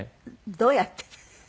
どうやって。